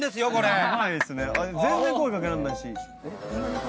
全然声掛けらんないし。